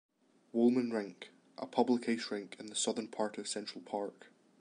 Wollman Rink: A public ice rink in the southern part of Central Park.